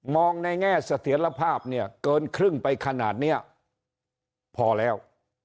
มองในแง่สถิษฐภาพเนี่ยเกินครึ่งไปขนาดเนี่ยพอแล้ว